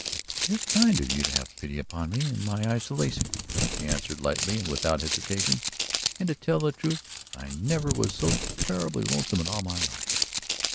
"It is kind of you to have pity upon me in my isolation," she answered lightly and without hesitation. "And, to tell the truth, I never was so terribly lonesome in all my life."